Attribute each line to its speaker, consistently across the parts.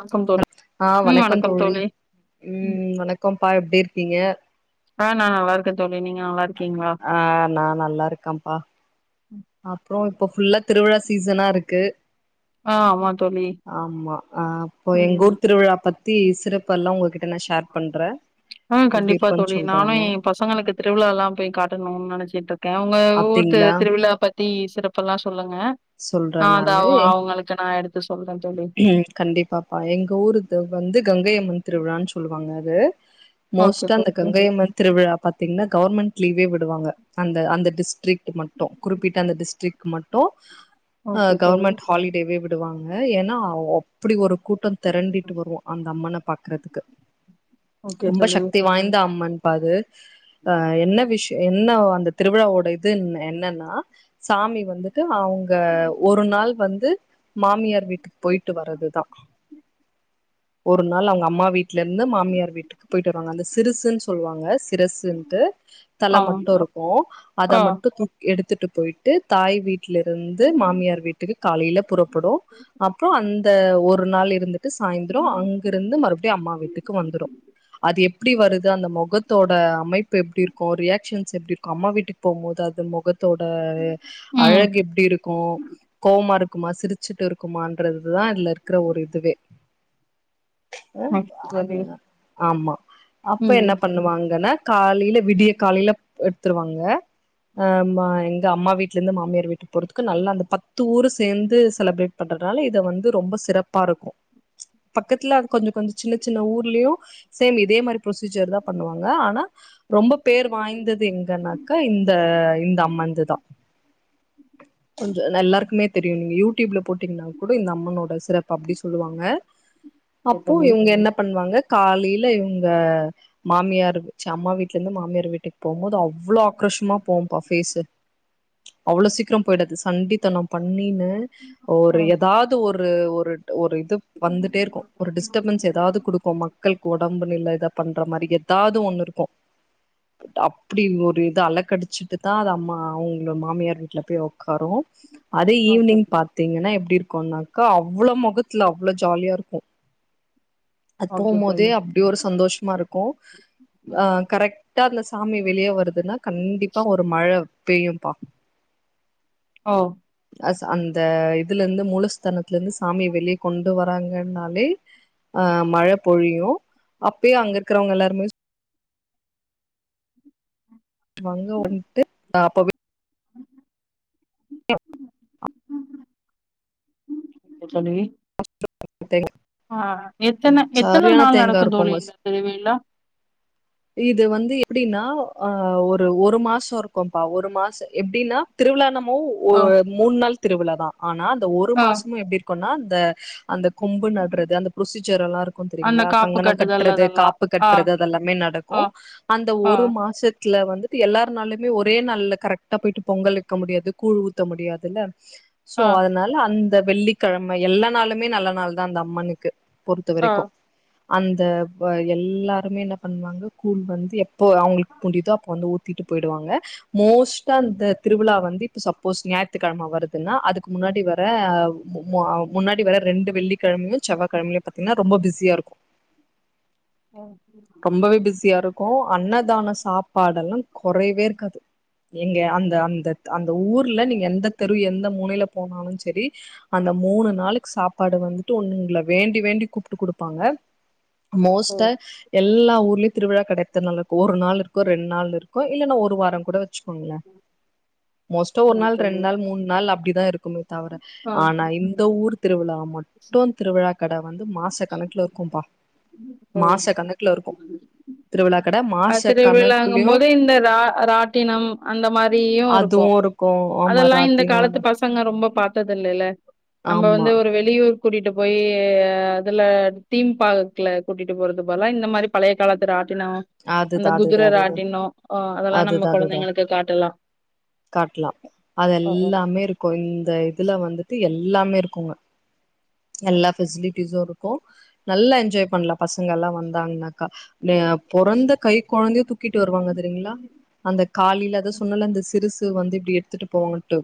Speaker 1: வணக்கம் தோழி
Speaker 2: ஆ வணக்கம் தோழி ம் வணக்கம்ப்பா எப்டிருக்கீங்க
Speaker 1: ஆ நாங்க நல்லாருக்கோ தோழி நீங்க நல்லாருக்கீங்களா
Speaker 2: ஆ நா நல்லாருக்கேம்ப்பா அப்றோ இப்ப ஃபுல்லா திருவிழா சீசனாருக்கு
Speaker 1: ஆ ஆமா தோழி
Speaker 2: ஆமா ஆ அப்போ
Speaker 1: ம்
Speaker 2: எங்கூர் திருவிழா பத் த்தி சிறப்பெல்லா உங்ககிட்ட நா ஷேர் பண்றே
Speaker 1: ஆ
Speaker 2: எப்டி
Speaker 1: கண்டிப்பா
Speaker 2: இருக்குன்னு
Speaker 1: தோழி நானு
Speaker 2: சொல்றேங்க
Speaker 1: எ பசங்களுக்கு திருவிழாலா போய் காட்டணு நெனச்சிட்ருக்கே உங்க ஊர் தி
Speaker 2: அப்டிங்களா
Speaker 1: திருவிழா பத் த்தி சிறப்பெல்லா சொல்லுங்க
Speaker 2: சொல்றே
Speaker 1: ஆ அதா
Speaker 2: நானு
Speaker 1: அவுங்களுக்கு நா எடுத்து சொல்றே தோழி
Speaker 2: ம் கண்டிப்பாப்பா எங்க ஊருது வந்து கங்கையம்மன் திருவிழான் சொல்லுவாங்க அது
Speaker 1: ஓகே
Speaker 2: மோஸ்ட்டா அந்த
Speaker 1: தோழி
Speaker 2: கங்கையம்மன் திருவிழா பாத்தீங்கன்னா கவர்மெண்ட் லீவே விடுவாங்க அந்த அந்த டிஸ்ட்ரிக் மட்டு குறிப்பிட்ட அந்த டிஸ்டிக் மட்டு அ
Speaker 1: ஓகே தோழி
Speaker 2: கவர்மெண்ட் ஹாலிடேவே விடுவாங்க [unintelligible] ஏன்னா அப்டி ஒரு கூட்டோ தெரண்டிட்டு வருவோ அந்த அம்மன பாக்குறதுகு
Speaker 1: ஓகே
Speaker 2: ரொம்ப
Speaker 1: தோழி
Speaker 2: ஷக்தி வாய்ந்த அம்மன் பா அது அ என்ன விஷோ என்ன அந்த திருவிழாவோட இது என் என்னன்னா சாமி வந்து து அவுங்க ஒரு நாள் வந்து மாமியார் வீட்டுக்கு போய்ட்டு வர்றதுதா ஒரு நாள் அவுங்க அம்மா வீட்லருந்து மாமியார் வீட்டுக்கு போய்ட்டு வருவாங்க அந்த சிறுசுன் சொல்வாங்க திரசுன்டு தல
Speaker 1: ஆ
Speaker 2: மட்டுருக்கு அத
Speaker 1: ஆ
Speaker 2: மட்டு கூட் எடுத்துட்டு போய்ட்டு தாய் வீட்லருந்து மாமியார் வீட்டுக்கு காலைல புறப் போடு அப்றோ அந்த ஒரு நாள் இருந்துட்டு சாய்ந்தரோ அங் இருந்து மறுபடியு அம்மா வீட்டுக்கு வந்துரு அது எப்டி வருது அந்த மொகத் தோட அமைப்பு எப்டிருக்கு ரியாக்சன்ஸ் எப்டிருக்கு அம்மா வீட்டுக்கு போகுபோது அது மொகத் தோட
Speaker 1: ம்
Speaker 2: அழகு எப்டிருக்கு கோவமா இருக்குமா சிரிச் ச்சுட்டு இருக்குமன்றதுதா இதுல இருக்கிற ஒரு இதுவே அ
Speaker 1: ஓகே
Speaker 2: அது
Speaker 1: தோழி
Speaker 2: ஆமா அப்ப
Speaker 1: ம்
Speaker 2: என்ன பண்ணுவாங்கன்னா காலைல விடிய காலைல எடுத்துருவாங்க அமா எங்க அம்மா வீட்லருந்து மாமியார் வீட்டுக்கு போறதுக்கு நல்லா அந்த பத்து ஊரு சேந்து செலப்ரேட் பண்றதுனால இத வந்து ரொம்ப சிறப்பா இருக்கு பக்கத்துல அது கொஞ்சோ கொஞ்சோ சின்ன சின்ன ஊர்லயு சேம் இதே மாரி ப்ரொஸ்யுஜர் தா பண்ணுவாங்க ஆனா ரொம்பப் பேர் வாய்ந்தது எங்கனாக்கா இந்த இந்த அம்மந்துதா கொஞ்சோ ன் எல்லாருக்குமேத் தெரியு நீங் யூட் டியூப்ல போட்டீங்னாக் கூட இந்த அம்மனோட சிறப்ப அப்டே சொல்லுவாங்க
Speaker 1: ஓகே
Speaker 2: அப்போ
Speaker 1: தோழி
Speaker 2: இவுங்க என்னப் பண்வாங்கக் காலைல இவுங்க மாமியாருகு ச்சு அம்மா வீட்லந்து மாமியார் வீட்டுக் போம்போது அவ் அவ்ளோ ஆக்ரோஷமா போவும்ப்பா ஃபேஸு அவ்ளோ சீக்ரோம் போய்டாது சண்டித்தனம் பண்ணினு
Speaker 1: ஆ
Speaker 2: ஒரு எதாது ஒரு ஒருட் ஒரு இது வந்துட்டேருக்கு ஒரு டிஸ்டர்பன்ஸ் எதாவது குடுக்கும் மக் க்கள்கு ஒடம்புனில இதப் பண்ற மாரி எதாது ஒன்னுருக்கு அப்டி ஒரு இது அலக்கடிச்சிட்டுத்தா அது அம்மா அவுங்ள மாமியார் வீட்லப் போய் ஒக்காரு அதே
Speaker 1: ஓகே
Speaker 2: ஈவினிங் பாத்தீங்கனா எப்டி இருக்குன்னாக்கா அவ்ளோ மொகத்ல அவ்ளோ ஜாலியாருக்கு அத்
Speaker 1: ஓகே
Speaker 2: போம்மோதே
Speaker 1: தோழி
Speaker 2: அப் அப்டி ஒரு சந்தோஷமா இருக்கு அ கரெக்ட்டா அந்த சாமி வெளிய வருதுன்னாக் கண்டிப்பா ஒரு மழப் பெய்யும்பா
Speaker 1: ஓ
Speaker 2: அஸ் அந்த இதுலந்து மூலஸ்தானத்லந்து சாமி வெளியக் கொண்டு வராங்கன்னாலே ஆ மழப் பொழியு அப்பயே அங்க இருக்கிறவுங்க எல்லாருமேச் வங்க வந்துட்டு அ அப்பவே
Speaker 1: [unintelligible]
Speaker 2: [unintelligible]
Speaker 1: சொல்லுவி
Speaker 2: [unintelligible]
Speaker 1: ஆ எத்தன எத்தன
Speaker 2: சரியான
Speaker 1: நாள்
Speaker 2: தேங்கா
Speaker 1: நடக்குந் தோழி
Speaker 2: இருக்குங்க
Speaker 1: இந்தத் திருவிழா
Speaker 2: [inaudible] இது வந்து எப்புடின்னா அ ஒரு ஒரு மாசோ இருக்கும்ப்பா ஒரு மாசோ எப்டின்னா திருவிழான்னமோவ் ஓ
Speaker 1: ஆ
Speaker 2: மூன் நாள் திருவிழாதா ஆனா அந்த ஒரு
Speaker 1: ஆ
Speaker 2: மாசமு எப்டி இருக்குன்னா அந்த அந்தக் கொம்பு நட்றது அந்தப் ப்ரோசீஜரல்லா இருக்குந்
Speaker 1: அந்த
Speaker 2: தெரியுங்ளா
Speaker 1: காப்பு
Speaker 2: கங்கணங்
Speaker 1: கட்டுதல்
Speaker 2: கட்றது
Speaker 1: அதெல்லா
Speaker 2: காப்புக்
Speaker 1: ஆ
Speaker 2: கட்றது அதெல்லாமே நடக்கு
Speaker 1: ஆ
Speaker 2: அந்த
Speaker 1: ஆ
Speaker 2: ஒரு மாசத்ல வந்துட்டு எல்லாரு நாள்லயுமே ஒரே நாள்ல கரெக்ட் ட்டாப் போயிட்டு பொங்கல் வெக்க முடியாது கூழ் ஊத்த முடியாதுல்ல சோ
Speaker 1: ஆ
Speaker 2: அதனா இல்ல அந்த வெள்ளிக்கெழம எல்லா நாளுமே நல்ல நாள்தா அந்த அம்மனுக்கு பொறுத்த
Speaker 1: ஆ
Speaker 2: வரைக்கு அந்த ப எல்லாருமே என்னப் பண்வாங்க கூழ் வந்து எப் போ அவுங்ள்க் முடியுதோ அப்போ வந்து ஊத்திட்டு போய்டுவாங்க மோஸ்டா இந்தத் திருவிழா வந்து இப்ப சப்போஸ் ஞாயித்துக்கெழம வருதுன்னா அதுக்கு முன்னாடி வர அவ் மு மு ஆ முன்னாடி வர ரெண்டு வெள்ளிக்கெழமயு செவ்வாகெழம்லியுப் பாத்தீங்னா ரொம்ப பிஸியாருக்கு
Speaker 1: ஓ
Speaker 2: ரொம்பவே பிஸியாருக்கு அன்னதான சாப்பாடெல்லாந் கொறைவே இருக்காது நீங்க அந்த அந்தத் அந்த ஊர்ல நீங்க எந்தத் தெரு எந்த மூலைலப் போனாலு செரி அந்த மூனு நாளுக்கு சாப்பாடு வந்துட்டு ஒன்னுங்ள வேண்டி வேண்டி கூப்ட்டு குடுப்பாங்க
Speaker 1: ஓ
Speaker 2: மோஸ்ட்டா எல் எல்லா ஊர்லியுத் திருவிழாக் கட எத்தன் நாள் இருக்கு ஒரு நாள் இருக்கு ரெண் நாள் இருக்கு இல்லனா ஒரு வாரங் கூட வெச்சு கோங்ளே மோஸ்ட்டா ஒரு
Speaker 1: ஆமா
Speaker 2: நாள் ரெண்
Speaker 1: தோழி
Speaker 2: நாள் மூன் நாள் அப்டிதா இருக்குமேத் தவர
Speaker 1: ஆ
Speaker 2: ஆனா இந்த ஊர்த் திருவிழா மட்டுந் திருவிழாக் கட வந்து மாசக் கணக்ல இருக்கும்பா
Speaker 1: ஓ
Speaker 2: மாசக் கணக்ல இருக்கு திருவிழா கட
Speaker 1: அ
Speaker 2: மாச
Speaker 1: திருவிழாங்கம்
Speaker 2: கணக்குலயு
Speaker 1: போது இந்த ரா ராட்டினம் அந்த மாரியு இருக்கு
Speaker 2: அதுவு ஆமா
Speaker 1: அதெல்லா இந்த
Speaker 2: ராட்டின
Speaker 1: காலத்து பசங் பசங்க ரொம்ப பாத்தது இல்லல்ல நம்
Speaker 2: ஆமா
Speaker 1: வந்து ஒரு வெளியூர் கூட்டிட்டு போயி அதுல தீம்பார்க்ல கூட்டிட்டு போறது பதிலா இந்த மாரி பழைய காலத்து ராட்டினம் அந்த
Speaker 2: அதுதா அதுதா
Speaker 1: குதிர
Speaker 2: அதுதா
Speaker 1: ராட்டினம் அ அதெல்லா நம்ம கொழந்தைங்களுக்கு காட்டலா
Speaker 2: காட்டலா அது
Speaker 1: ஆ
Speaker 2: எல்லாமே இருக்கும் இந்த இதுல வந்துட்டு எல்லாமே இருக்குங்க எல்லா பெசிலிட்டிஸ்சும் இருக்கும் நல்லா என்ஜாய் பண்ணலாம் பசங்க எல்லா வந்தாங்கனாக்கா பொறந்த கை கொழந்தைய தூக்கிட்டு வருவாங்க தெரியுங்களா அந்த காலயில அதா சொன்னல்ல அந்த சிறுசு வந்து இப்டி எடுத்துட்டு போவாங்கன்ட்டு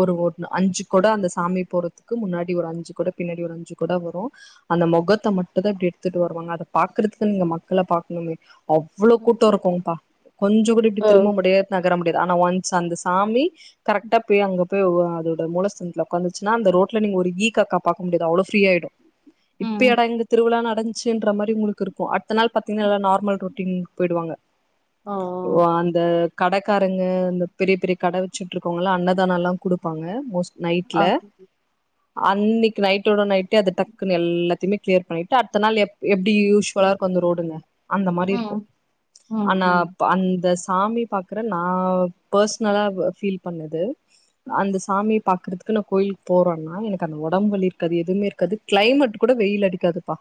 Speaker 2: ஒரு ஒ அஞ்சு கொட அந்த சாமி போறதுக்கு முன்னாடி ஒரு அஞ்சு கொட பின்னாடி ஒரு அஞ்சு கொட வரும் அந்த மொகத்த மட்டும்தா இப்டி எடுத்துட்டு வருவாங்க அத பாக்கற்துக்கு நீங்க மக்கள பாக்கணுமே அவ்ளோ கூட்டம் இருக்கும்ப்பா கொஞ்சோ கூட இப்டி
Speaker 1: ம் அ.
Speaker 2: திரும்ப முடியாது நகர முடியாது ஆனா ஒன்ஸ் அந்த சாமி கரெக்ட்டா போய் அங்க போய் அதோட மூலஸ்தனத்துல ஒக்காந்துச்சுன்னா அந்த ரோட்ல நீங்க ஒரு ஈக்காக்கா பாக்க முடியாது அவ்ளோ ஃபிரீயாயிடும்
Speaker 1: ம்.
Speaker 2: இப்பயாடா இங்க திருவிழா நடந்துச்சு ன்ற மாரி உங்குலுக்கு இருக்கும் அடுத்த நாள் பாத்தீங்கன்னா எல்லாரும் நார்மல் ரொட்டீன்கு போய்டுவாங்க
Speaker 1: ஆ
Speaker 2: ஓ அந்த கடக்காரங்க இந்த பெரிய பெரிய கட வச்சிட்டுருக்குறவங்கல்லா அன்னதானம்லா குடுப்பாங்க மோஸ்ட்லி
Speaker 1: ஆ.
Speaker 2: நைட்ல அன்னிக் நைட்டோட நைட்டே அத டக்குன்னு எல்லாத்தையுமே கிளியர் பண்ணிட்டு அடுத்த நாள் எ எப்படி யூஸ்வலா இருக்கும் அந்த ரோடுங்க அந்த மாரி
Speaker 1: ம்
Speaker 2: இருக்கும்
Speaker 1: ம்
Speaker 2: ஆனா
Speaker 1: ம்
Speaker 2: அந்த சாமி பாக் க்ற நா பர்ஸ்னலா ஃபீல் பண்ணது அந்த சாமியை பாக்குறதுக்கு நா கோயிலுக்கு போறோம்னா எனக்கு அந்த உடம்புலி இருக்காது எதுவுமே இருக்காது கிளைமேட் கூட வெயில் அடிக்காதுப்பா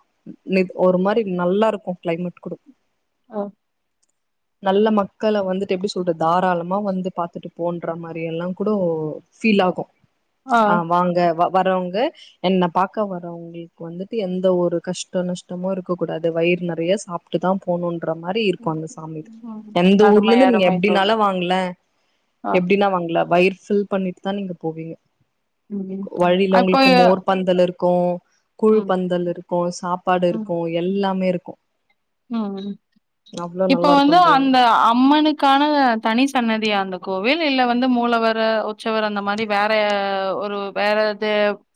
Speaker 2: ஒரு மாரி நல்லா இருக்கும் கிளைமேட் கூட
Speaker 1: ஆ
Speaker 2: நல்ல மக்களை வந்துட்டு எப்படி சொல்ற தாராளமா வந்து பாத்துட்டு போன்ற மாதிரி எல்லாம் கூட ஃபீல் ஆகும் ஆ வாங்க வரவங்க என்ன பார்க்க வரவங்களுக்கு வந்துட்டு எந்த ஒரு கஷ்ட நஷ்டமும் இருக்கக் கூடாது வயிறு நிறைய சாப்பிட்டு தா போ போணுன்ற மாரி இருக்கும் அந்த சாமி
Speaker 1: ம்
Speaker 2: எந்த ஊர்ல
Speaker 1: அருமை
Speaker 2: இருந்து நீங்க
Speaker 1: அருமை தோழி
Speaker 2: எப்டினாலும் வாங்கல
Speaker 1: ஆ
Speaker 2: எப்டின்னா வாங்கல வயிர் ஃபில் பண்ணிட்டு தான் நீங்க போவீங்க
Speaker 1: ம்
Speaker 2: வழியில
Speaker 1: அப்ப
Speaker 2: உங்களுக்கு மோர் பந்தல் இருக்கும் கூழ்
Speaker 1: ம்
Speaker 2: பந்தல் இருக்கும் சாப்பாடு
Speaker 1: ம்
Speaker 2: இருக்கும் எல்லாமே இருக்கும்
Speaker 1: ம் இப்ப வந்து அந்த அம்மனுக்கு க்கான தனி சன்னதியா அந்த கோவில் இல்ல வந்து மூலவர உச்சவர அந்த மாரி வேற ஒரு வேறது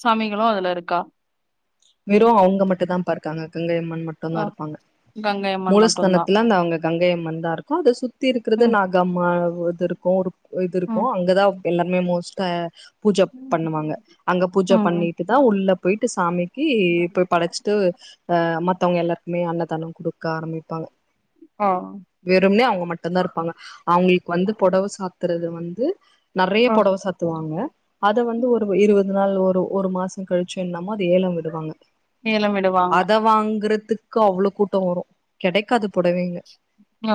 Speaker 1: சாமிகளு அதுல இருக்கா
Speaker 2: வெறும் அவங்க மட்டும் தா பா இருக்காங்க கங்கை அம்மன்
Speaker 1: ஆ
Speaker 2: மட்டும்தான் இருப்பாங்க
Speaker 1: கங்கை அம்மன் மட்டும்தான்
Speaker 2: மூலஸ்தானத்துல அந்த அவங்க கங்கை அம்மன் தான் இருக்கும் அதை சுத்தி இருக்கிறது
Speaker 1: ம்
Speaker 2: நாக அம்மா இது இருக்கும் இது
Speaker 1: ம்
Speaker 2: இருக்கும் அங்கதான் எல்லாருமே மோஸ்ட்டா பூஜை பண்ணுவாங்க அங்க பூஜை
Speaker 1: ம் ம்
Speaker 2: பண்ணிட்டு தான் உள்ள போயிட்டு சாமி போய் படச்சிட்டு அ மத்தவங்க எல்லாருக்குமே அன்னதானம் குடுக்க ஆரம்பிப்பாங்க
Speaker 1: ஆ
Speaker 2: வெறும்னே அவங்க மட்டும்தான் இருப்பாங்க அவங்களுக்கு வந்து புடவ சாத்துறது வந்து நிறைய
Speaker 1: ஓ
Speaker 2: புடவ சாத்துவாங்க அத வந்து ஒரு இருபது நாள் ஒரு ஒரு மாசம் கழிச்சு என்லாம அது ஏலம் விடுவாங்க
Speaker 1: ஏலம் விடுவாங்க
Speaker 2: அதை வாங்கறதுக்கு அவ்ளோ கூட்டம் வரும் கிடைக்காது
Speaker 1: ஹ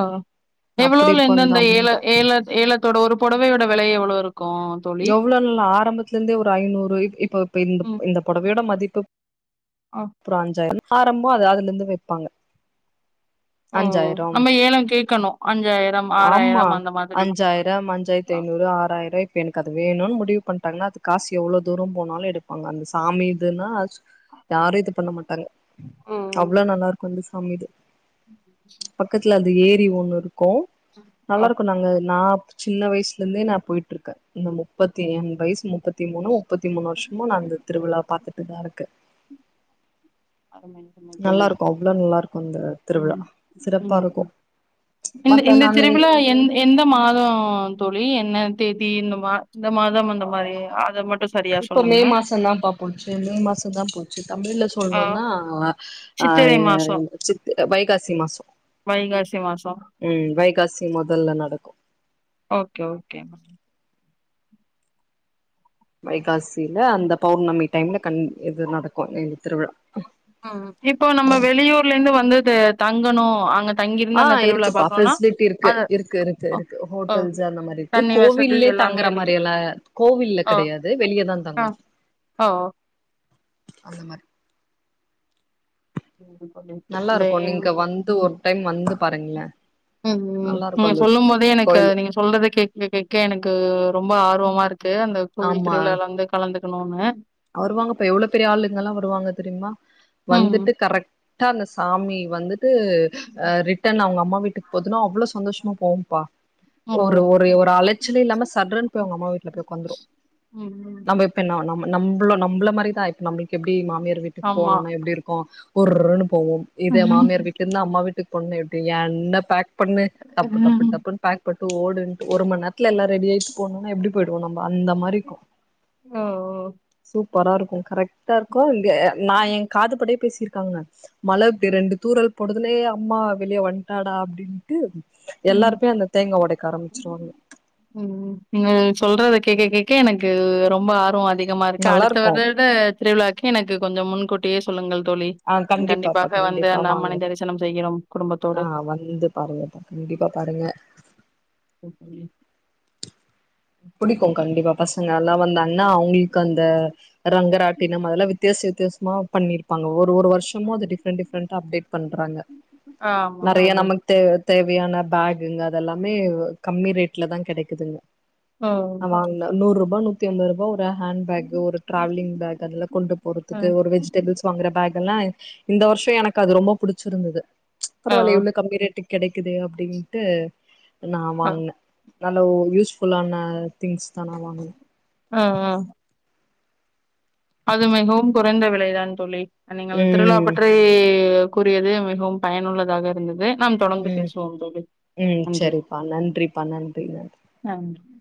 Speaker 1: எவ்வளோ
Speaker 2: அப்டி இருக்கு அந்த
Speaker 1: எந்தந்த ஏல
Speaker 2: அமௌண்ட்டு
Speaker 1: ஏல ஏலத்தோட ஒரு புடவையோட விலை எவ்ளோ இருக்கும் தோழி
Speaker 2: எவ்ளோல்ல ஆரம்பத்துல இருந்தே ஒரு ஐநூறு இப்ப இப்ப இந்த
Speaker 1: ம்
Speaker 2: இந்த புடவையோட மதிப்பு
Speaker 1: ஓ
Speaker 2: ஒரு அஞ்சாய்ரோ ஆரம்பம் அத அதுல இருந்து வைப்பாங்க
Speaker 1: ஓ
Speaker 2: அஞ்சாயிரம்
Speaker 1: நம்ம ஏலம் கேட்கணும் அஞ்சாயிரம்
Speaker 2: ஆமா
Speaker 1: ஆறாயிரம் அந்த மாதிரி
Speaker 2: அஞ்சாயிரம் அஞ்சாயிரத் தி
Speaker 1: ஆ
Speaker 2: ஐ்நூறு ஆறாயிர்றுவாய்க் இப்ப எனக்கு அது வேணுன்னு முடிவு பண்டாங்கன்னா அது காசு எவ்லோ தூரம் போனாலும் எடுப்பாங்க அந்த சாமி இதுன்னா யாரு இது பண்ண மாட்டாங்க
Speaker 1: ஓ
Speaker 2: அவ்ளோ நல்லா இருக்கும் அந்த சாமி இது
Speaker 1: ம்
Speaker 2: பக்கத்துல அந்த ஏரி ஒண்ணு இருக்கு நல்லா
Speaker 1: ஓ
Speaker 2: இருக்கும் நாங்க நா சின்ன வயசுல இருந்தே நா போயிட்டு இருக்கே இந்த முப்பத்தி மூன் வயசு முப்பத் த்தி மூணு முப்பத்தி மூணு வருஷமும் நானு இந்த திருவிழா பாத்துட்டுதா இருக்கே
Speaker 1: அர மென்ட்டமே
Speaker 2: நல்லாருக்கு அவ்ளோ நல்லாருக்கு இந்த திருவிழா
Speaker 1: ம்
Speaker 2: சிறப்பாருக்கு
Speaker 1: ம் இந்த இந்த திருவிழ எந் எந்த மாதோ தோழி என்ன தேதி இந்த மா இந்த மாதம் அந்த மாறி அத மட்டு சரியா
Speaker 2: இப்ப மே
Speaker 1: சொல்லுங்க.
Speaker 2: மாசம் தா பா போச்சு மே மாசம் தா போச்சு தமிழ் ல
Speaker 1: ஆ
Speaker 2: சொல்ணும்ன்னா
Speaker 1: சித்திரை மாசோ
Speaker 2: சித்திர வைகாசி மாசம்
Speaker 1: வைகாசி மாசம்
Speaker 2: ம் வைகாசி முதல்ல நடக்கு
Speaker 1: ஓகே ஓகேங்க
Speaker 2: வைகாசில அந்த பௌர்ணமி டைம்ல கண் இது நடக்கு இது திருவிழா
Speaker 1: ம் இப்போ நம்ம வெளியூர்ல இருந்து வந்துது தங்கணு அங்க
Speaker 2: ஆ
Speaker 1: தங்கிருந்து அந்த திருவிழா
Speaker 2: இருக்குப்பா
Speaker 1: பாக்கணுனா
Speaker 2: ஃபெஸ்லிட்டி இருக்கு
Speaker 1: அது
Speaker 2: இருக்கு இருக்கு
Speaker 1: ஓ
Speaker 2: இருக்கு
Speaker 1: ஓ
Speaker 2: ஹோட்டல்ஸ் அந்த மாரி இரு க்கு
Speaker 1: தண்ணி வசதி
Speaker 2: கோவில்லே
Speaker 1: எல்லாமே
Speaker 2: தங்குற மாரி
Speaker 1: இருக்கு.
Speaker 2: எல்லா கோவில்ல
Speaker 1: ஓ
Speaker 2: கிடையாது வெளியேதா
Speaker 1: ஆ
Speaker 2: தங்கணு
Speaker 1: ஓ
Speaker 2: அந்த மாரி நல்லா
Speaker 1: இந்த
Speaker 2: இருக்கு நீங்க வந்து ஒரு டைம் வந்து பாருங்க
Speaker 1: ம் நீங்க சொல்லும் போதே எனக்கு
Speaker 2: கோயிலு
Speaker 1: சொல்றத கேட்க கேட்க எனக்கு ரொம்ப ஆர்வமா இருக்கு அந்த கோவில் திருவிழால வந்து கலந்துக்னுன்னு
Speaker 2: வருவாங்க இப்ப எவ்ளோ பெரிய ஆளுங்கல்லா வருவாங்க தெரியுமா
Speaker 1: ம்.
Speaker 2: வந்துட்டு கரெக்ட் ட்டா அந்த சாமி வந்துட்டு ஆ ரிட்டன் அவுங்க அம்மா வீட்டுக்கு போதுனா அவ்ளோ சந்தோஷமா போவும் பா
Speaker 1: ஓ!
Speaker 2: ஒரு ஒரு ஒரலைச்சலே இல்லாம சடற்ன்னு போய் அவங்க அம்மா வீட்ல போய் உக்காந்துரு
Speaker 1: ம், ம்.
Speaker 2: நம்ப இப்ப நம் நம்மள நம்ள மாரிதா இப்ப நம்மளுக்கு எப்டி மாமியார் வீட்டுக்கு
Speaker 1: ஆமா.
Speaker 2: போனும்னா எப்டி இருக்கு உர்ருனு போவோ இதே மாமியார் வீட்ல இருந்து அம்மா வீட்டுக்கு போனுனா எப்டிங்க என்ன பேக் பண்ணு டப்பு டப்பு டப்புன் பேக் பன்ட்டு ஓடுன்டு ஒரு மண் நேரத்துல எல்லா ரெடியாயி போனும்னா எப்டி போயிடுவோ நம்ப அந்த மாரி இருக்கு
Speaker 1: ஆ
Speaker 2: சூப்பரா இருக்கு கரெக்ட்டா இருக்கு இங்க நா ஏ காது படே பேசிருக்காங்க மழ ரெண்டு தூரல் போடுதலே அம்மா வெளியே வண்டாடா அப்டின் ட்டு
Speaker 1: ம்.
Speaker 2: எல்லாருமே அந்த தேங்கா ஒடைக்க ஆரம்ச்சிருவாங்க
Speaker 1: ம் நீங்க சொல்றத கேக்க கேக்க எனக்கு ரொம்ப ஆர்வோ அதிக அதிகமா இருக்கு அடுத்த வருட திருவிழாக்கு எனக்கு கொஞ்சம் முன்கூட்டியே சொல்லுங்கள் தோழி
Speaker 2: ஆ கண்டிப்பாப்பா
Speaker 1: கண்டிப்பாக வந்து
Speaker 2: கண்டிப்பா
Speaker 1: அந்த
Speaker 2: வாங்க
Speaker 1: அம்மனை தரிசனம் செய்கிறோம்
Speaker 2: ஆ
Speaker 1: குடும்பத்தோடு
Speaker 2: வந்து மாரியாத்தா கண்டிப்பா பாருங்க
Speaker 1: அப்டியா
Speaker 2: புடிக்கு கண்டிப்பா பசங்கல்லா வந்த அண்ணா அவுங்களுக்கு அந்த ரங்கராட்டினம் அதெல்லா வித்தியாச வித்தியாசமா பண்ணிருப்பாங்க ஒரு ஒரு வருஷோ சும்மா அத டிஃப்ரென்ட் டிஃப்ரென்ட்டா அப்டேட் பண்றாங்க
Speaker 1: ஆமாம்
Speaker 2: நறைய
Speaker 1: தோழி.
Speaker 2: நமக் தே தேவையான பேக்குங்க அதெல்லாமே கம்மி ரேட்லதா கெடைக்குதுங்க
Speaker 1: ஓ!
Speaker 2: ஆ வாங்ல நூறூபா நூத்தி அம்பது ரூபா ஹேண்ட் பேக்கு ஒரு டிராவலிங் பேக் அதெல்லா கொண்டு
Speaker 1: அ.
Speaker 2: போறதுக்கு ஒரு வெஜ் டேபுள்ஸ் வாங்குற பேக் எல்லா இந்த வருஷோ எனக்கு அது ரொம்ப புடிச்சிருந்துது
Speaker 1: ஓ!
Speaker 2: பரவாலையே இவ்ளோ கம்மி ரேட்டு கிடைக்குதே அப்டின்ட்டு நா
Speaker 1: அ.
Speaker 2: வாங்னே நல்ல யூஸ் ஃபுல்லான திங்ஸ்தா நா வாங்குனே
Speaker 1: ஆ ஆ அது மிகவும் குறைந்த விலைதான் தோழி நீங்கள்
Speaker 2: ம்
Speaker 1: திருவிழாப்பட் றை கூறியது மிகவும் பயனுள்ளதாக இருந்தது நாம் தொடர்ந்து
Speaker 2: ம்
Speaker 1: பேசுவோ தோழி
Speaker 2: ம் சரிப்பா நன்றிப்பா நன்றி நன்றி
Speaker 1: நன்றி